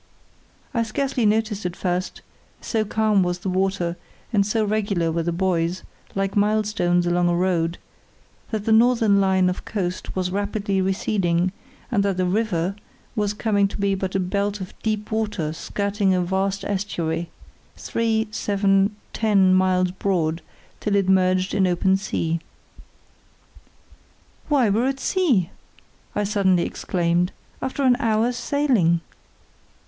I scarcely noticed at first—so calm was the water, and so regular were the buoys, like milestones along a road—that the northern line of coast was rapidly receding and that the "river" was coming to be but a belt of deep water skirting a vast estuary, three—seven—ten miles broad, till it merged in open sea. "Why, we're at sea!" I suddenly exclaimed, "after an hour's sailing!"